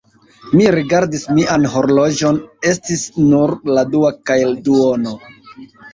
Mi rigardis mian horloĝon: estis nur la dua kaj duono.